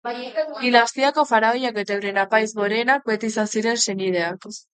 Dinastiako faraoiak eta euren Apaiz Gorenak, beti izan ziren senideak.